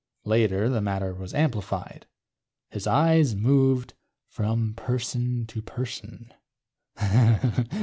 Later the matter was amplified. _... his eyes moved from person to person.